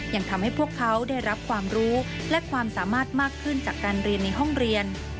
ยังทำให้พวกเขาได้รับความรู้และความสามารถมากขึ้นจากการเรียนในห้องเรียน